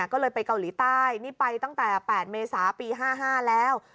ก็เลยไปเกาหลีใต้นี่ไปตั้งแต่๘เมษาปี๕๕แล้ว